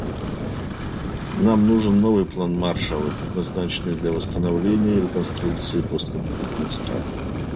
Нам нужен новый план Маршалла, предназначенный для восстановления и реконструкции постконфликтных стран.